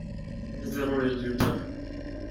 Nous verrons les résultats.